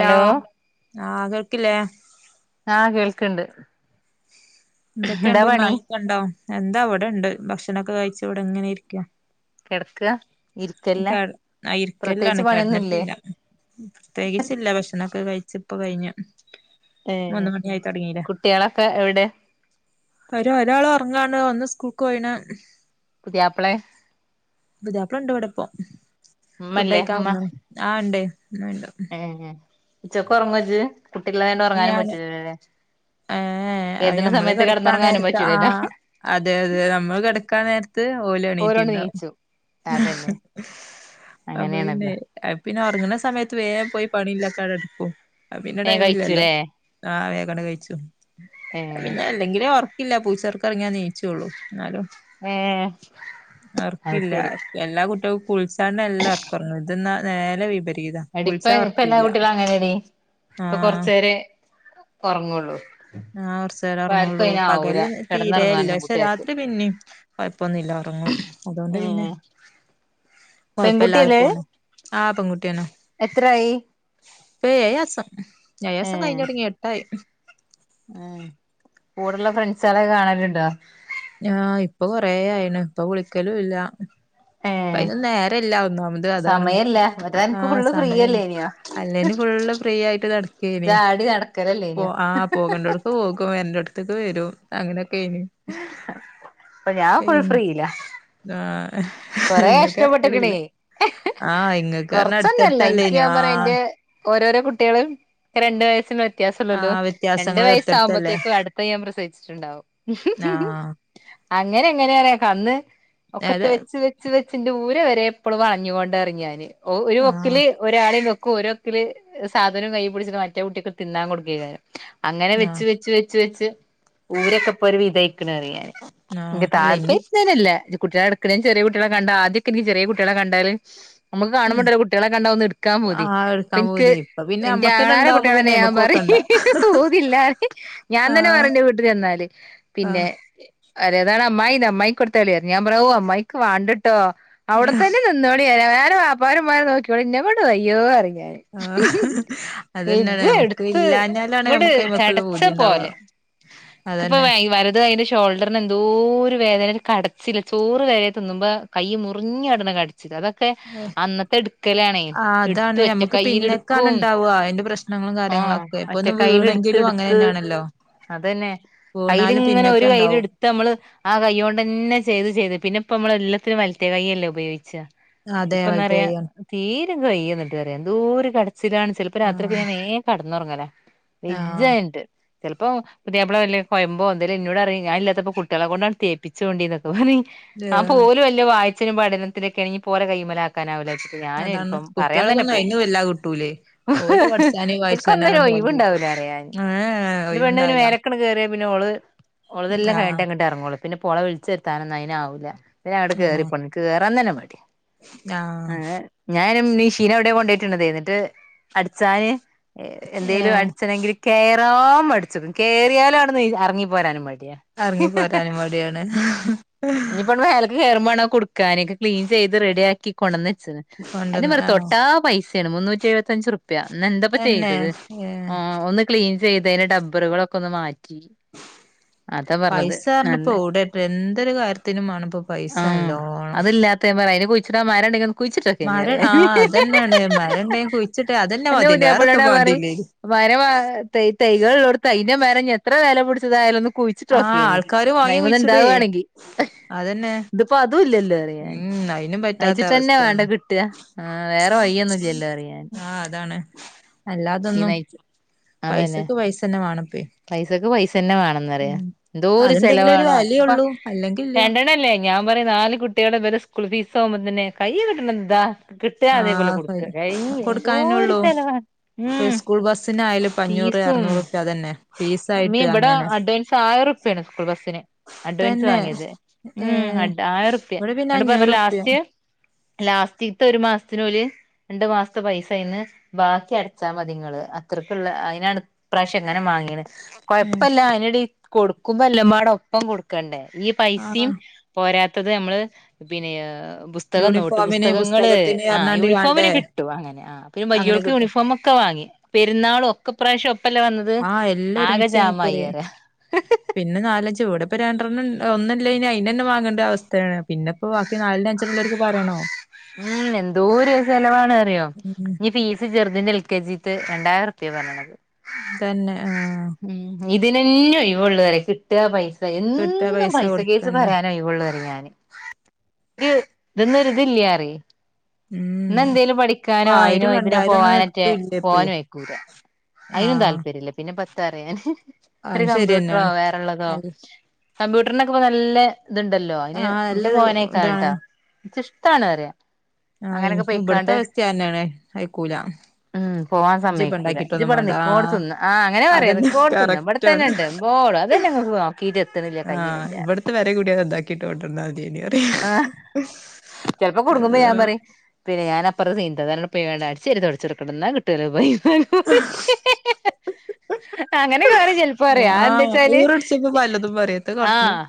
Law ആ കേൾക്കില്ലേ ആ കേൾക്കണ്ട് എന്തൊക്കെയുണ്ട് മഴക്കൊ ഇണ്ടോ എന്താ വടെ ഉണ്ട് ഭക്ഷണൊക്കെ കഴി ച്ചവിടെ ങ്ങനെ ഇരിക്ക കെടക്കാ ഇരിക്കല്ല ഇരിക്കല്ലാണ് പ്രത്യേകിച്ച് പണിയൊന്നുംല്ലേ കിടന്നിട്ടില്ല പ്രത്യേകിച്ചില്ല ഭക്ഷണമൊക്കെ കഴിച്ച ഇപ്പോൾ കഴിഞ്ഞ് ഏ കുട്ട്യാളൊക്കെ എവിടെ അവര് ഒരാള് ഉറങ്ങാണ് ഒന്ന് സ്കൂൾക്ക് പോയിണ് പുതിയാപ്പളെ പുതിയാപ്പ് ഇവിടെണ്ടവിടെപ്പോ ഫുഡ് ഉമ്മല്ലേ കഴിക്കാൻ ഉമ്മ വന്നു ആണ്ടേ ഇല്ല ഉച്ചക്കൊറങ്ങോ ജ് ഞാൻ ഏ അത് ഏതിന്റെ നമ്മള് സമയത്ത് കിടക്കാ കെടന്നുറങ്ങാനും നേരത്തെ ആ പറ്റൂലല്ലോ അതെ അതെ നമ്മള് കിടക്കാൻ നേര ത് ഓലും ഓരോണ്ട് എണീറ്റിണ്ടാവും നീച്ചു അതന്നെ അപ്പൊ പിന്നെ അങ്ങനെയാണല്ലോ പിന്നെ ഉറങ്ങ്ണ സമയത്ത് വേം പോയി പണിയെല്ലാം ക്കട എട്ക്കും അത് പിന്നെ വേം ടൈമില്ലല്ലോ കഴിച്ചുലേ ആ വേ ണ കയ്ച്ചു അത് ഏഹ് പിന്നെ അല്ലെങ്കിലേ ഒർ ഇല്ല പൂച്ചൊർക്കൊറങ്ങ്യാ നീച്ചോള്ളു ന്നാലും ഏഹ് അത് ഒർക്കില്ല ശരി എല്ലാ കുട്ട്യാക്കും കുളിച്ചാണ്ട എല്ല ഒർക്കൊറങ്ങ ഇ ഇതെന്നാ നേരെ വിപരീ അടിപ്പ ഇപ്പ എല്ലാ കുട്ടികളും അങ്ങനേടി ആഹ് ഒർങ്ങോള്ളു ആ കൊറച്ചേരാ ഒറങ്ങൂള്ളു പകല് തീരേല്ല കിടന്നുറങ്ങാനൊന്നും പക്ഷെ കുട്ടികൾക്ക് രാത്രി പിന്നീം കൊഴപ്പൊന്നുല്ല ഒറങ്ങും അതോണ്ട് പിന്നെ ഏഹ് കൊയപ്പല്ലാതെ പെൺകുട്ടിയല്ലേ അത് പോണ് [unintelligible] എത്രായി എ ഏഴാസം ലേസം കയ്ഞ്ഞൊടങ്ങി എട്ടായി കൂടെള്ള ഫ്രണ്ട്സാളെക്കാണല്ണ്ടോ ആ ഇപ്പം കൊറേ ആയീണ് ഇപ്പം വിളിക്കലൂല്ല ഏഹ് പ്പയ്നൊന്നും നേരല്ല ഒന്നാമത് അതാണ് സമയല്ല മറ്റേ ആ അനക്ക് ഫുള്ള് സമയം ഫ്രീയല്ലേനിയോ അല്ലേലും ഫുള്ള് ഫ്രീയായിട്ട് ഇജ്ജ് നടക്കേനി ആടി പോ നടക്കലല്ലേനിയോ ആ പോകണ്ടോട്ക്ക് പോവും വരണ്ടോട് ഇന്ന് വരോ അങ്ങനൊക്കേനി പ്പം ഞാൻ ഫുൾ ഫ്രീലാ ആ കാെറേ കഷ്ടപ്പെട്ട്ക്ക്ണേ ആഹ് ഇങ്ങക്ക് പറഞ്ഞ കൊർച്ചൊന്നു അല്ല ൻക്ക് അടുത്തടുത്തല്ലേനോ ഞാൻ പറയ ഇന്റെ ആഹ് ഓരോരോ കുട്ടികള് ക്കെരണ്ട് വയസ്സ് വെ ത്യാസല്ലെള്ളൂ ആഹ് രണ്ട് വ്യത്യാസങ്ങള് അടുത്തടുത്തല്ലേ വയസാവുമ്പത്തേക്കും അട്ത്തെ ഞാൻ പ്രസവിച്ച്ട്ട്ണ്ടാവും ഹും ഹു ഹും ആഹ് അങ്ങനെങ്ങനെറിയോ കന്ന് ഒക്കെട്ട് ഏത് വെച്ച് വെച്ച് വെ ച്ച്ന്റെ ഊര വരെ ഇപ്പളും വളഞ്ഞ് കോണ്ടാറിം ഞാന് ഒ ആഹ് ഒരൊക്കില് ഒരാളിം വെ ക്കും ഒരൊക്ക്‌ല് സാധനും കയ്യീ പുട്ച്ച്ട്ട് മറ്റേ കുട്ടിക്ക് തിന്നാൻ കൊട്ക്കേയ്ക്കാരം അങ്ങനെ വെച്ച് ആഹ് വെച്ച് വെച്ച് വെച് ഊരൊക്കെപ്പൊര് വിധയ്ക്ക്ണ്റിം ഞാന് ആഹ് അല്ല ഇനി [unintelligible] കുട്ട്യാളെട്ക്ക്ണെ ൻ ചെറ്യേ കുട്ട്യേളെകണ്ടാ ആദ്യക്കെൻക്ക് ചെറ്യേ കെട്ട്യേളെ കണ്ടാല് കാണുമ്പല്ലോ കുട്ടിയേളെക്കെ കണ്ടാ ഒന്ന്ട്ക്കാൻ പൂതി ആഹ് എടുക്കാൻ പ്പൻക്ക് പൂതി ഇപ്പൊ പിന്നെ ഇന്റെ അമ്മക്കന്നെ ആങ്ങളാരെ ഇണ്ടാവുമ്പോ കൂട്ട്യാളെന്നെ പിന്നെ ഞാൻ അയ്മക്ക് പറിം നോക്കണ്ട പൂതില്ലാറിം ഞാൻ തന്നെ ആഹ് പറിം ന്റെ വീട്ട് ചെന്നാല് പിന്നെ രേതാണമ്മായിണ്ട് അമ്മായി കൊട്ത്താളിറ്ഞ്ഞ് ഞാപറ്ഞ്ഞ് ഓ അമ്മായിക്ക് വാണ്ട ട്ടോ അവ്ടെ ആഹ് തന്നെ നിങ്ങോളി [unintelligible] പ്പാരും മ്മാരും നോക്ക്യാേളി ഇന്നെ കൊണ്ട് വയ്യോറിം ആഹ് അതന്നെയാണ് നമുക്ക് ഇജെട്ത്ത് ഇല്ലാഞ്ഞാലാണ് ങ്ങട്ട് നമുക്ക് അയ്മക്കുള്ള ചടച്ച പൂതി ഉണ്ടാവുക പോലെ ക്ക്പ്പം അതന്നെ വ വലത് കയ്യിന്റെ ഷോ ഷോൾഡെർന് എന്തോര് വേദനെ ഒരു കടച്ചില് ചോറ് വരെ തിന്നുമ്പ കയ്യ് മുറിഞ്ഞാട്ണ ക ചിലതൊക്കെ ന്നത്തെട്ക്കലാണേ ആഹ് ഇട്ത്ത് അതാണ് നമുക്ക് പിന്നക്കാണ് ഒച്ചക്കയ്യില്ട്‌ക്കും ഉണ്ടാവുക അതിന്റെ പ്രശ്നങ്ങളും ആ കാര്യങ്ങളൊക്കെ ഇപ്പൊ ഒറ്റ ഒന്ന് വീണെങ്കിലും അങ്ങനെ കയ്യില്ട്ത്ത്ട്ത്ത് തന്നെയാണല്ലോ അതന്നെ വീണാലും അയല്ങ്ങനെ പിന്നൊക്കെ ഒര് ഉണ്ടാവും കയ്യില്ട്ത്തമ്മള് ആ കയ്യോണ്ടെന്നെ ചെയ്ത് ചെയ്ത് പിന്നെപ്പോ ഇപ്പം അമ്മൾ എല്ലത്തിനും വൽത്തെ കയ്യ്‌ അല്ലെ ഉപയോഗിച്ചാ ഇപ്പം ഇന്ന് അതേപോലത്തെ പറിയാ ചെയ്യണം തീ രെ വയ്യാ ഇന്നട്ട് പറിയാ എന്തോര് കട് ച്ചിലാൺ ചെൽപ്പം രാത്രി ഒക്കെ ആഹ് ഞാൻ വേം കട്ക്കും ന്നൊർങ്ങലാ ആഹ് വെജ്ജായ്ട്ട് ചെൽപ്പം പുതിയാപ്പ്ള വല്ല കൊയ്മ്പോ എന്തെലും ഇന്നോട് പറിം ഞാ ഇല്ലാത്തപ്പം കുട്ടാളെ കൊണ്ടാണ്ട് തെപ്പിച്ചോണ്ടിന്ന് [unintelligible] പറിം ഏഹ് ഓൽ വല്ലിയ വാ ച്ചലും പഠനത്തിലൊക്കെയാണങ്കി ഇപ്പം ഓലെ കയ്യിമ്മെൽ ആ ക്കാനാവൂലാ അതാണ് കുട്ടിയാളെക്കൊന്ന് അയിന് വല്ലാതെ കിട്ടുലെയ് ഓര് പഠിച്ചാൻ വായിച്ചാൻ ഓൽക്കൊന്നിനും പർഞ്ഞ്ട്ട് ഓൽ പൊയ്ക്കോളും ഒഴിവുണ്ടാവൂല പറയാന് ഏ ഏ ന്റെ ഒഴിവ് പെണ്ണിന് ഇണ്ടാവുലാ മേലക്കണ് കേറിയ പിന്നെ ഓൾ ഓളതെല്ലാം കഴിഞ്ഞിട്ടെ ഇങ്ങട്ട് എറങ്ങൊള്ളു പിന്നെപ്പം ഓളെ വിൾച്ചെര്ത്താൻ ഒന്നും അയ്ൻ ആവുലാ പിന്നെ അങ്ങട്ട് കേറി ആഹ് പോണ്ടെ ഇക്ക് കേറാൻ തന്നെ മടി മടി ആഹ് അങ്ങനെ ഞാ അയ്ൻ ഉം മിഷീൻ അയുടെ കൊണ്ടെയ്ട്ട്ണതെ ഇന്നട്ട് അട്ച്ചാൻ എ എന്തെലും ഏഹ് അട്ച്ചണെങ്കിൽ കെയർ ല്ലോം പട്ച്ച്ക്ക്ൺ കേറിയാൽ അയുട്ന്ന് എറങ്ങി പോരാനും മടി ടിയാ എറങ്ങി പോരാനും മടിയാണ് ഇഞ്ഞ്പ്പം ഇങ്ങട്ട് മേലക്ക് കേറും മാണം കുട്ക്കാൻ ഒക്കെ ക്ലീൻ ചെയ്ത് റെഡിയാക്കി ഒന്ന് അത് കൊണ്ടന്ന് മ്മെണ് ആഹ് തൊട്ടാ പൈസ മുന്നൂറ്റി എഴുപത്തഞ്ചുർ പ്യാ ഇന്ന് എന്താപ്പം തന്നെ ചെയ്തത് ഓ ഏഹ് ഒന്ന് ക്ലീൻ ചെയ്തെയ്ന് ടബ്ബർകൾ ഒക്കെ ഒന്ന് മാറ്റി അതാ പറഞ്ഞത് നല്ല പൈസറഞ്ഞപ്പോ ഇവിടെ എന്തൊരു കാര്യത്തിനും ആണപ്പോ പൈസല്ലോണം മരണ്ടേ കുയിച്ചിട്ടൊക്കെനിറിയ അതന്നെയാണ് മരം ഉണ്ടെങ്കി കുഴിച്ചിട്ടെ അതന്നെ എന്റെ മതിയല്ലോ പുതിയപ്പളനോട് വേറെത്തും ഞാ പറയു വാണ്ടില്ലേനി മരം വാങ്ങ തൈ തൈകൾള്ളോട്ത്ത് അയ്ൻ്റെ മരം ഞ്ഞി എത്ര വെലപുടിച്ച തായിരുന്നു ആഹ് ആൾക്കാര് വാങ്ങി കുഴിച്ചുടേ അതന്നെ ഉം അയ്നും പറ്റ നയിച്ചിട്ട്ന്നെ വേണ്ട കിട്ട. ആ വേറെ വഴിയൊന്നുംല്ലല്ലോ അറിയാന് [inaudible] അല്ലാതൊന്നും അതന്നെ പൈസക്ക് പൈസന്നെ വേണപ്പേ പൈസക്ക് പൈസന്നെ വേണംന്ന്റിയ ഉം എന്തോരു അതുണ്ടെങ്കിലേ ഒരു ചെലവാണോ അതിപ്പ വെലയുള്ളൂ അല്ലെങ്കി ഇല്ല രണ്ടണല്ലേ ഞാൻ പറയും നാല് കുട്ടി കുട്ട്യാൾടെ ഇവരെ സ്കൂൾ ഫീസ് ആകുമ്പോ തന്നെ കൈയ് കിട്ടണ ദാ കിട്ടാ അതേപോലെ ആഹ് കൊടുക്ക. കഴിഞ്ഞ്, എന്തോര് ചെലവാണ്. ഫ ഉം സ്കൂൾ ബസ് ന്നെ ആയിര അഞ്ഞൂറ് അറുന്നൂറ്പ്പ്യ അതന്നെ മീ ഫീസായിട്ട് ഇവിടെ അങ്ങനെ അഡ്വാൻസ് ആയിരൂർപ്യാണ് സ്കൂൾ ബസിന്. അഡ്വാൻസ് തന്നെ വാങ്ങിയത്. ഏ ഉം ആയിരുർപ്യ ഇവിടെ പിന്നെ എന്ന്ട്ട് പറഞ്ഞ അഞ്ഞൂറുപ്യ ലാസ്റ്റ് ലാസ്റ്റിത്തെ ഒരു മാസത്തിനോല്, രണ്ടു മാസത്തെ പൈസ അയിന്ന്, ബാക്കി അടച്ചാ മതിങ്ങള് അത്രക്കുള്ള അയ്നാണ് ഇപ്രാവശ്യം ഇങ്ങനെ മാങ്ങീണ് ഉം കൊഴപ്പല്ല അയ്നെടി കൊടുക്കുമ്പോ എല്ല മാട ഒപ്പം കൊടുക്കണ്ടേ ഈ ആഹ് പൈസയും പോരാത്ത ത്തത് നമ്മള് പിന്നെ പുസ്തകം നോട്ട് യൂണിഫോമിന് പുസ്തകങ്ങള് പുസ്തകത്തിന് ആ പറഞ്ഞാണ്ട് യൂണിഫോമിന് വാണ്ടേ കിട്ടും അങ്ങനെ ആ പിന്നെ അങ്ങനെ വയ്യോൾക്ക് കിട്ടും യൂണിഫോമ ഒക്കെ വാങ്ങി പെരുന്നാളും ഒക്കെ പ്രാഷം പ്പല്ല വന്നത് ല് ആകെ ഒരുമിച്ചേനി ജാമായി ഇക്കുറി പറയാ പിന്നെ നാലഞ്ച് ഇവടപ്പ രണ്ട്രൺ ഒന്നല്ല ഇനി അയ്ന്റന്നെ വാങ്ങണ്ട അവസ്ഥേണ് പിന്നെപ്പോ ബാക്കി നാലൺ അഞ്ചണ്ണള്ളോർക്ക് പറയണോ ഉം എന്തോരു ചെലവാണ് അറിയോ ഉം ഇഞ്ഞി ഫീസ് ചെർ അതിൻ്റെ എൽ കെ ജി ത്തെ രണ്ടായിരം ഉർപ്യ പർനണത് തന്നെ ആഹ് ഉം ഇഞ് ഇതിനെന്നെ ഒയിവോള്ളു പറെയ് കിട്ടാ പൈ കിട്ടാ എന്നും പൈസ കേസ് കൊടുക്കന്നെ പറയാനെ ഒഴിവൊള്ളു പറിം ഞാന് രു ഇത് ന്നൊര് ഇതില്ലാറെയ്‌ ഉം ഇന്നാ എന്തേലും ഇപ്പ പഠിക്കാനോ അയിനോ ആയിരം ഇതിനോ രണ്ടായിരം ഒന്നും പോവാനെറ്റെ എത്തൂല്ല ഇപ്പേ പോവാനും അയ്ക്കൂല അയിനും ആഹ് താല്പര്യം ഇല്ല പിന്നെ ത്തറയാൻ ഒര് അത് കമ്പ്യൂട്ടറോ ശരിയെന്നാണ് വേറെള്ളതോ അൽ കമ്പ്യൂട്ടർനൊക്കെ ഇപ്പം ന നല്ലെ ഇത്ണ്ടല്ലോ അയിന് ആഹ് നല്ല ഇന്റെ മോൻ അയ്ക്കണട്ടോ ഇച്ച് ഇഷ് ത്താണ് അറ്യ ആ ഇൻക് ഇബട്ത്തെ അവസ്ഥ ന്നെയാണ് അയക്കൂല ഉം പോവാൻ ഇജ്ജിപ്പ സമ്മയ്കൂല ഇജ്ജ് ഉണ്ടാക്കിട്ടൊന്നും പ്പടെ വേണ്ട നിക്കോടത് ആഹ് നിന്നോ ആ അങ്ങനെ പർ പ്പെ അതന്നെ നിക്കോട്ത് ന്നൊ കറക്റ്റ് ആണ് ഇവിടെത്തന്നെ ണ്ട് എമ്പോളു അതന്നെ [unintelligible] നോക്കിട്ട് എത്ണില്ല കയ്യിണ്ല്ല കിട്ടോട്ടന്നാ ആ ചെൽപ്പോ കൊടുങ്ങുമ്പോ ഞാൻ അള്ളാ പറയും പിന്നെ ഞാന് അട്ചാരി തൊട്ച്ചെടുക്ണ്ട് ന്ന കിട്ടുലൊ പോയി അങ്ങനെക്കെപറിം ചെൽപ്പോ അറിയാ ആഹ് എന്താ ച്ചാല് ഈറടിച്ചപ്പോ പലതും പറയും എത്ത കാട്ട്ണ് ആഹ്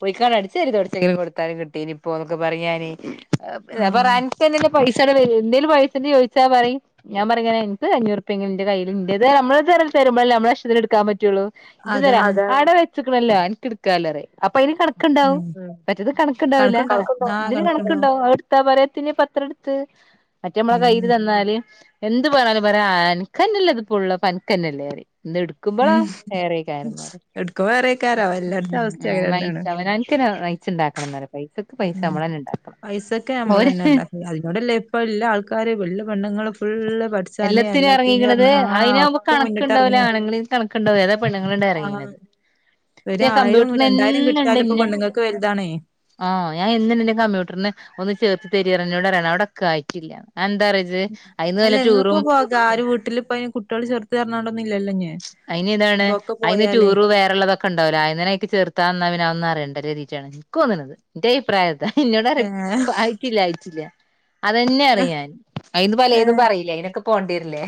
പൊയിക്കാട് അട്ചാരിതൊട് ന്തെങ്കിലും കൊടുത്താലും കിട് ഇനിയിപ്പോന്നൊക്കെ പറയാന് [unintelligible] ആഹ് പ്പറൻക്ക്‌ന്തിന്റെ പൈസടെ പേരിന്തേലും പൈസന്റെ ചോദിച്ചാ പറയും ഞാ പറയും എൻക്ക് രു അഞ്ഞൂറുപ്പ്യ ങ്ങെ ന്റെ കയ്യില് ന്റത് നമ്മള്ത് രൽ തരുമ്പോള്ള നമ്മളെ ഇഷ്ടത്തിനെ എടുക്കാ പറ്റുള്ളു ഇപ്പതര അതാണ് അതാ [unintelligible] എൻക് ഇട്കാലോറിയ പൈന് കണക്ണ്ടാവു ഉം മറ്റേത് കണക്ക്‌ ണ്ടാവില്ല കണക്കുണ്ടാവും ആഹ് ഇതിന് കണക്ണ്ടോ കണക്കുണ്ടാവും അഹ്ടുത്താ ട പറയത്തിഞ് പത്ര എടുത്ത് മറ്റേമ്മളെ ഉം കയ്യിൽ തന്നാല് എന്ത് പറഞ്ഞാലും പറയാ ആൻകെന്നല്ലേത് ഫുൾ പൻക്കന്നല്ലേ അറി ഇന്ന് എടുക്കുമ്പളാ ഉം ഏറെയ്കാരം പർയ എടുക്കുമ്പോ വേറെക്കാരം എല്ലാടത്തെ അവസ്ഥ അങ്ങനെ [unintelligible] തന്നെയാണ് അവനാൻക്കന്നെ ച്ണ്ടാക്കണന്നലും ഉം പൈസക്കെ ഓര് നമ്മളന്നെ ണ്ടാക് അതിനോടല്ലെ ഇപ്പൊ എല്ലാ ആൾക്കാര വല്ല പെണ്ണങ്ങളും എല്ലത്തിനും എറങ്ങിക്ണത് ആ അയിനഉമ്പ ഒക്കെ കണക്ണ്ടാവുല മുന്നിട്ടെറങ്ങാ ആണുങ്ങളെൽ കണക്ണ്ടാവ് എതാ പെണ്ണുങ്ങള്ണ്ട് ആ എറങ്ങീണത് ഫ്യ ഒരായിരം രണ്ടായിരം കമ്പ്യൂട്ടർനെന്നെണ്ട് കിട്ടിയാലും ഇപ്പൊ ന്നെ പെണ്ണുങ്ങൾക്ക് വലുതാണേ ആഹ് ഞാ എന്ന്ണ്ട് ഇന്നെ കമ്പ്യൂട്ടറിന് ഒന്ന് ചേർത്ത് തരി യറിഞ്ഞിൂടെ അറിയണം അവിടെ ഒക്കെ ആയിട്ടില്ല അഹ് എന്താറി ഇജ്ജ് ഹ് നല്ല അല്ല ഇങ്ങക്ക് ടൂറും പോകാ ആര് വീട്ടില് ഇപ്പ അയിന് കുട്ടികള് ചെറുത് പറഞ്ഞോണ്ടൊന്നും ഇല്ലല്ലോ ഇഞ്ഞ് അയിന് താണ് ഇതൊക്കെ അയിന് പോയാലേ ടൂർ വേറെള്ളതൊക്കെണ്ടാവ് ലെ അയിന്നനയ്ക് ചേർത്താന്ന പിന്നെ അ ഒ ന്നറേണ്ടര് രീചേണ് ക്കോന്ന്ണത് ന്റെയിപ്രായത് ദ ഏ ഇന്നോടറിം പൊ അയിട്ടില്ല അയിച്ചില്ല അതെന്നെ അറിയാൻ അയില് പലേ ഏ ത് പറയില്ല അയിനൊക്കെ പോണ്ടീരില്ലേ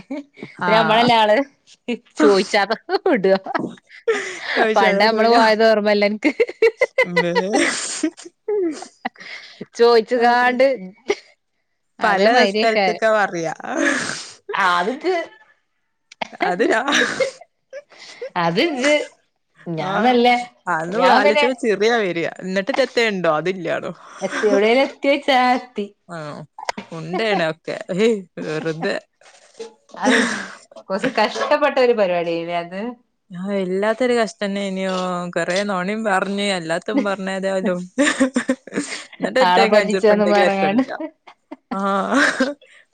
ആ പി അമ്മളല്ല ആള് ചോയിച്ചാത വിട പണ്ട് നമ്മള് പോയത് ഓർമ്മ എല്ലൻ വ അ ചോയിച്ചുകാണ്ട് പല അതേ മാതിരിയേക്കാരം സ്ഥലത്തൊക്കെ വ യാ അത് ഇജ്ജ് അത് അത് ഇജ്ജ് ഞാൻ ആഹ നല്ല അന്ന് ഞാൻ പിന്നെ പാലിച്ചപ്പോ ചെറിയാ വരിയാ എന്നിട്ട് രെത്തുണ്ടോ അതില്ല എത്തി എവിടെ എത്തി വച്ചാ ആഹ ഉണ്ടേണ ഒക്കെ വെറുതെ പരിപാടിയല്ലേ അത് ആ എല്ലാത്തൊരു കഷ്ടന്നെ ഇനോ കൊറ നോണിയ പറഞ്ഞ അല്ലാത്തും പറഞ്ഞതാലോ എന്നിട്ട്റ്റ ആളെ പറ്റിച്ചാന്നും പറഞ്ഞ്ങ്ങാണ്ട് കഞ്ചൂർപ്പക്കില്ല ആ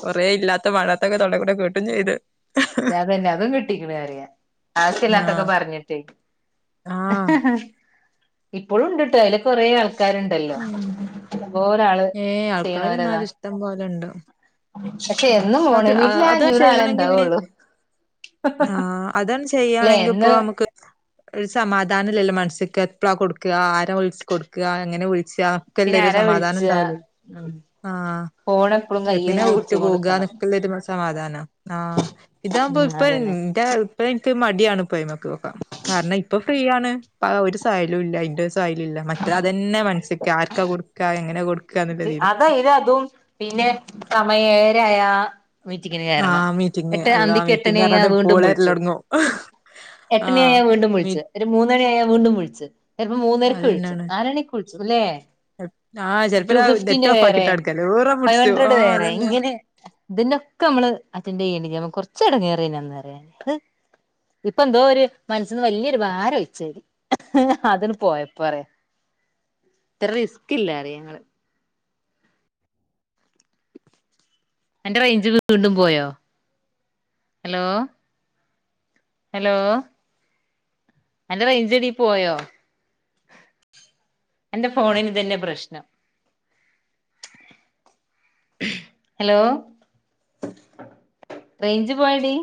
കൊറെ ഇല്ലാത്ത മണ അതൊക്കെ തട കൂടെ ക കേട്ടും ചെയ്ത് അതന്നെ അതും കിട്ടിക്കണ അറിയ ലത്തൊക്കെ ആഹ് പറഞ്ഞിട്ട് ആഹ് ഇപ്പോഴും ഉണ്ട്ട്ടാ അല കൊറേ ആൾക്കാരുണ്ടല്ലോ ഉം അപ്പോ ഒരാള് ഏഹ് ആൾക്കാര് ചെയ്യണവരതാ എന്നാലും ഇഷ്ടം പോലെണ്ട് ഉ പക്ഷെ എന്നു അത് പോണേ വീട്ടിലെ അഞ്ഞൂറ് ആളെ ഉണ്ടാവുള്ളു ആഹ അതന്ന ചെയ്യണെങ്കിപ്പോ എന്ന് നമുക്ക് ഒരു സമാധാനംല്ലല്ലോ മനസ്സക്ക് എപളാ കൊടുക്കുക ആര ഒളിച്ചച്ച് കൊടുക്കുക അങ്ങനെ പിന്നെ വിളിച്ചല്ലരു ആരാ സമാധാനം വിളിച്ച ഉണ്ടാവല ഉം ആ ഫോൺ എപ്പഴും കയ്യില് എങ്ങന ഇങ്ങനെ ഒട്ടു പോക പിടിച്ചുകൊണ്ടിക്കണം [unintelligible] സമാധാനം ആ ഇതാകുമ്പോ ഉം ഇപ്പ അതന്നെ എൻ്റ ഇപ്പ എക്ക് മടിയാണ് പോയമ കാരണം ഇപ്പം ഫ്രീയാണ് ഒരു സലം ഇല്ല അതിന്റെ [unintelligible] മറ്റ അതന്നെ മനസ് ആർക്കാ കൊടുക്കാ എങ്ങനെയാ കൊടുക്ക കൊടുക്കാന്ന്ള്ളതീല് അത ഇത് അതും പിന്നെ സമയ ആയ മീറ്റിങ്ങിന് കാരണം ആഹ് മീറ്റിംഗ് എട്ട് അള്ളാ അന്തിക്ക് എട്ടണി മീറ്റിംഗ് ആ ഞാൻ പറഞ്ഞാണ്ട് വീണ്ടും കോള് വിളിച്ചു വരലൊടങ്ങും എട്ടണി ആ ആഹ് ഞാൻ വീണ്ടും മി വിളിച്ചു ഒരു മൂന്നണി ആയ വീണ്ടും കുഴിച്ച് ചിലപ്പോ മൂന്നരയ്ക്ക് എഴിച്ചും അതന്നെയാണ് നാല്മണിക്ക് കു സുഗുല്ലേ ആഹ് ചെലപ്പോ ടു നെറ്റ് ഫിഫ്റ്റീന്റെ ഓഫ് വേറെ ആക്കിട്ടാ എടുക്കല് ഈറം ഫൈവ് പിടിച്ചു ഹൻഡ്രെഡ് ആഹ് വേറെ അതന്നെ ഇങ്ങനെ ഇതിനൊക്കെ നമ്മള് [unintelligible] കുറച്ച് ഇടങ്ങേറായി അന്നേരം അത് ഇപ്പ എന്തോ ഒരു മനസിൽന്ന് വലിയൊരു ഭാരം ഒഴിച്ചരി അതിന് പോയപ്പോ പറയാ ഇത്ര റിസ്ക് ഇല്ലരുന്നു ഞങ്ങള് എന്റെ റേഞ്ച് വീണ്ടും പോയോ ഹലോ ഹലോ എന്റെ റേഞ്ച് എടി പോയോ എന്റെ ഫോണിന് തന്നെ പ്രശ്നം ഹലോ റേഞ്ച് പോയടി